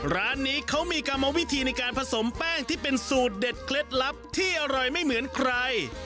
ร้านนี้เขามีกรรมวิธีในการผสมแป้งที่เป็นสูตรเด็ดเคล็ดลับที่อร่อยไม่เหมือนใคร